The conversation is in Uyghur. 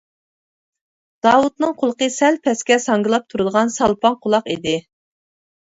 داۋۇتنىڭ قۇلىقى سەل پەسكە ساڭگىلاپ تۇرىدىغان سالپاڭ قۇلاق ئىدى.